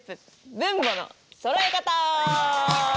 「分母のそろえ方」！